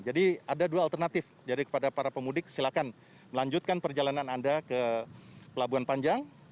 jadi ada dua alternatif jadi kepada para pemudik silakan melanjutkan perjalanan anda ke pelabuhan panjang